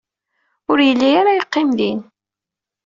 Ur yelli ara yeqqim din.